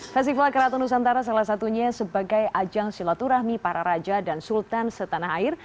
festival keraton nusantara salah satunya sebagai ajang silaturahmi para raja dan sultan setanah air